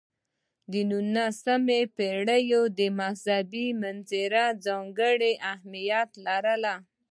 د نولسمې پېړۍ مذهبي مناظرې ځانګړی اهمیت لري.